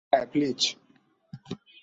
হ্যাঁ, প্লিজ!